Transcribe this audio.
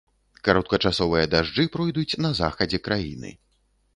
Кароткачасовыя дажджы пройдуць на захадзе краіны.